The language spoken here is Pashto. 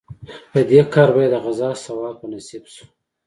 په دې کار به یې د غزا ثواب په نصیب شو.